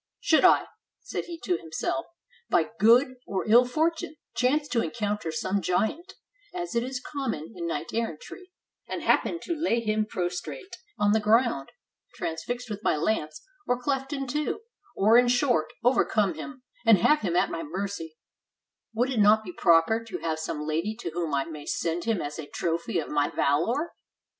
" Should I," said he to himself, ''by good or ill for tune, chance to encounter some giant, as it is common in knight errantry, and happen to lay him prostrate on the ground, transfixed with my lance, or cleft in two, or, in short, overcome him, and have him at my mercy, would it not be proper to have some lady to whom I may send him as a trophy of my valor?